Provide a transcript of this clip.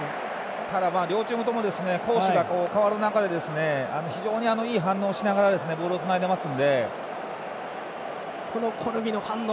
ただ、両チームとも攻守が変わる中で非常にいい反応をしながらボールをつないでます。